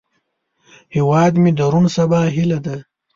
هیواد مې د روڼ سبا هیله ده